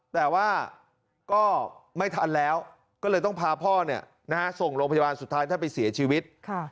แต่ว่าก็ไม่ทันแล้วก็เลยต้องพาพ่อส่งโรงพยาบาลสุดท้ายท่านไปเสียชีวิต